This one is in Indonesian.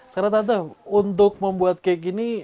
sekarang tante untuk membuat kek ini